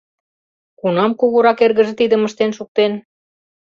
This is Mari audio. Кунам кугурак эргыже тидым ыштен шуктен?